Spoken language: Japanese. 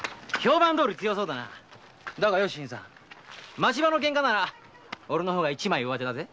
町場の喧嘩なら俺の方が一枚上手だぜ。